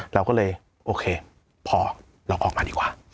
เราก็เลยโอเคพอเราออกมาดีกว่า